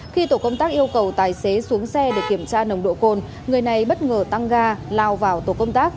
khi tổ công tác yêu cầu tài xế xuống xe để kiểm tra nồng độ cồn người này bất ngờ tăng ga lao vào tổ công tác